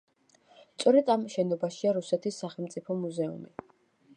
სწორედ ამ შენობაშია რუსეთის სახელმწიფო მუზეუმი.